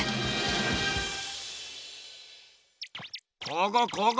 ここここ！